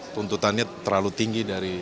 tuntutannya terlalu tinggi dari